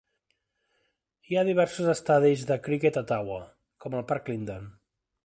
Hi ha diversos estadis de criquet a Tawa, com el Parc Linden.